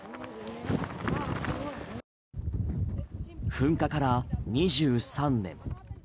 噴火から２３年。